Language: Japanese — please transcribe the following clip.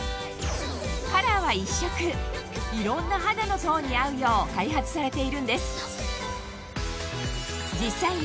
いろんな肌のトーンに合うよう開発されているんです